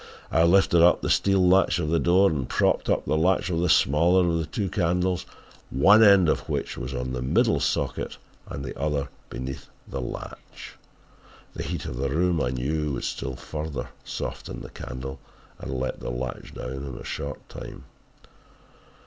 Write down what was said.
"I lifted up the steel latch of the door and propped up the latch with the smaller of the two candles, one end of which was on the middle socket and the other beneath the latch. The heat of the room I knew would still further soften the candle and let the latch down in a short time.